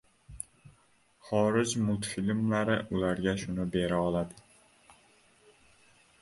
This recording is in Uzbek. Xorij multfilmlari ularga shuni bera oladi.